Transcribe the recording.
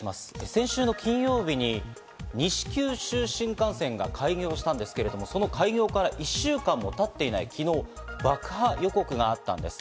先週の金曜日に西九州新幹線が開業したんですけれども、その開業から１週間も経っていない昨日、爆破予告があったんです。